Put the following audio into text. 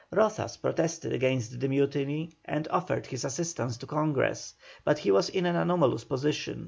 Rozas protested against the mutiny and offered his assistance to Congress, but he was in an anomalous position.